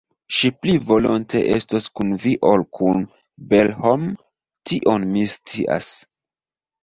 Ŝi pli volonte estos kun Vi ol kun Belhom, tion mi scias.